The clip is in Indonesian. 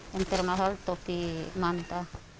yang termahal topi manta